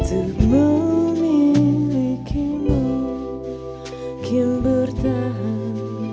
tuk memilikimu kim bertahan